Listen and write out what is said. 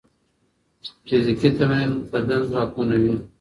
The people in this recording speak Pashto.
فزیکي تمرین بدن ځواکمنوي.